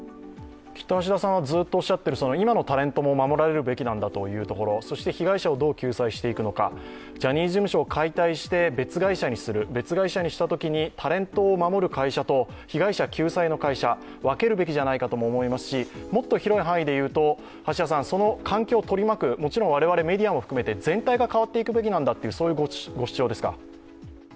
きっと橋田さんがずっとおっしゃっている、今のタレントも守られるべきなんだというところそして被害者をどう救済していくのかジャニーズ事務所を解体して別会社にする、別会社にしたときにタレントを守る会社と被害者救済の会社、分けるべきじゃないかとも思いますし、もっと広い範囲で言うと、その環境を取り巻く我々メディアも含めて、全体が変わっていくべきだというご主張ですか？